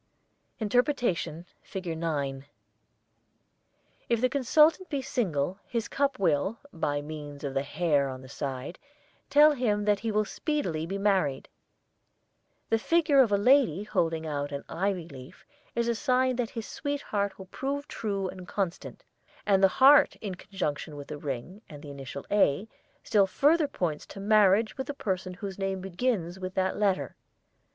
INTERPRETATION FIG. 9 If the consultant be single this cup will, by means of the hare on the side, tell him that he will speedily be married. The figure of a lady holding out an ivy leaf is a sign that his sweetheart will prove true and constant, and the heart in conjunction with a ring and the initial 'A' still further points to marriage with a person whose name begins with that letter.